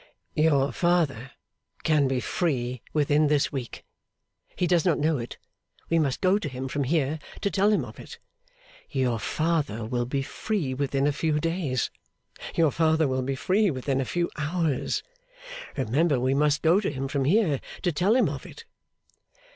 'Your father can be free within this week. He does not know it; we must go to him from here, to tell him of it. Your father will be free within a few days. Your father will be free within a few hours. Remember we must go to him from here, to tell him of it!